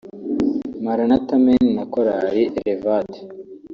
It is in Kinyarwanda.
Maranatha Men na Korali Elevate